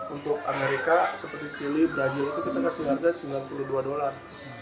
untuk amerika seperti chile brazil itu kita kasih harga sembilan puluh dua dolar